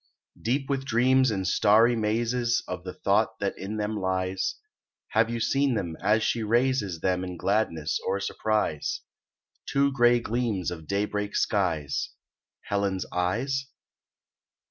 Deep with dreams and starry mazes Of the thought that in them lies, Have you seen them, as she raises Them in gladness or surprise, Two gray gleams of daybreak skies, Helen's eyes?